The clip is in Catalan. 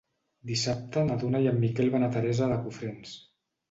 Dissabte na Duna i en Miquel van a Teresa de Cofrents.